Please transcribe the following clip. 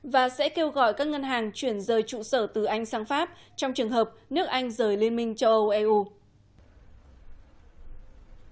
và sẽ kêu gọi các ngân hàng chuyển rời trụ sở từ anh sang pháp trong trường hợp nước anh rời liên minh châu âu eu